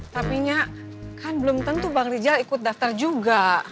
tapi nya kan belum tentu bang rizal ikut daftar juga